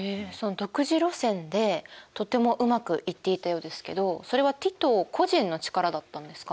独自路線でとてもうまくいっていたようですけどそれはティトー個人の力だったんですか？